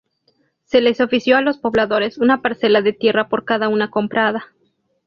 Se les oficio a los pobladores una parcela de tierra por cada una comprada.